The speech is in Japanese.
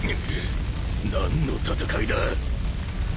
何の戦いだ。